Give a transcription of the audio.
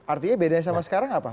artinya beda sama sekarang apa